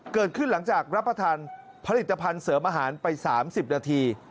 เกิดขึ้นหลังจากรับประทานผลิตภัณฑ์เสริมอาหารไป๓๐นาที